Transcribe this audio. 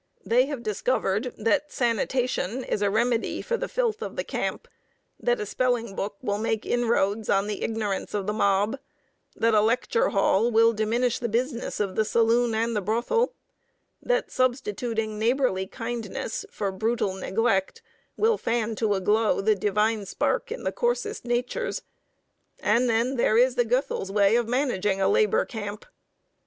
They have discovered that sanitation is a remedy for the filth of the camp; that a spelling book will make inroads on the ignorance of the mob; that a lecture hall will diminish the business of the saloon and the brothel; that substituting neighborly kindness for brutal neglect will fan to a glow the divine spark in the coarsest natures. And then there is the Goethals way of managing a labor camp.